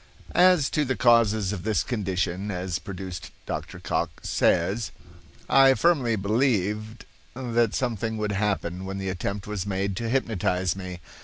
As to the causes of this condition as produced Dr. Cocke says: "I firmly believed that something would happen when the attempt was made to hypnotize me.